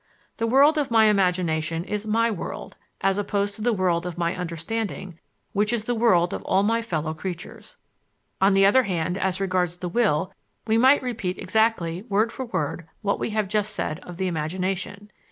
The world of my imagination is my world as opposed to the world of my understanding, which is the world of all my fellow creatures. On the other hand, as regards the will, we might repeat exactly, word for word, what we have just said of the imagination.